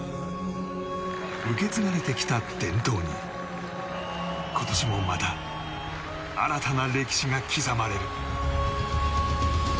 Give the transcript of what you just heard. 受け継がれてきた伝統に今年もまた新たな歴史が刻まれる。